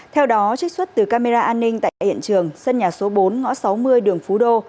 theo đó trích xuất từ camera an ninh tại hiện trường sân nhà số bốn ngõ sáu mươi đường phú đô